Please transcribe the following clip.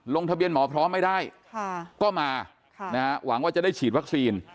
ลงทะเบียนหมอพร้อมไม่ได้ก็มาหวังว่าจะได้ฉีดวัคซีน